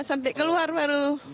sampai keluar baru